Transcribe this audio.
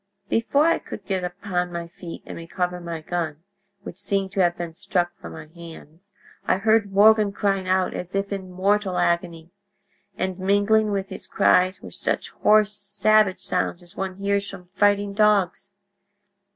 "Before I could get upon my feet and recover my gun, which seemed to have been struck from my hands, I heard Morgan crying out as if in mortal agony, and mingling with his cries were such hoarse savage sounds as one hears from fighting dogs.